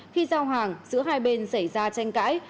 khi giao hàng giữa hai bên xảy ra tranh cãi